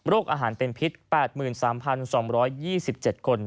อาหารเป็นพิษ๘๓๒๒๗คน